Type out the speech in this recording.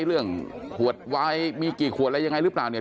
เรื่องขวดวายมีกี่ขวดอะไรยังไงหรือเปล่าเนี่ย